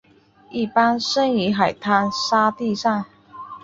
一般生于海滩沙地上。